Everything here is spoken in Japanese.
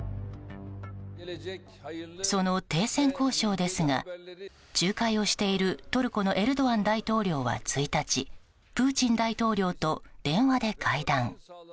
その停戦交渉ですが仲介をしているトルコのエルドアン大統領は１日プーチン大統領と電話で会談。